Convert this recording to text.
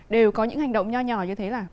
đều có những hành động nho nhò như thế là